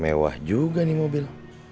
mewah juga nih mobil